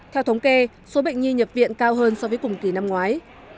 theo thống kê số bệnh nhi nhập viện cao hơn so với cùng kỳ năm ngoái